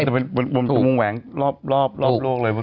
แต่เป็นวงแหวงรอบโลกเลย